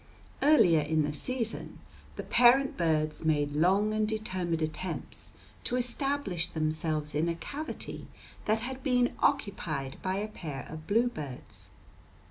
Earlier in the season the parent birds made long and determined attempts to establish themselves in a cavity that had been occupied by a pair of bluebirds.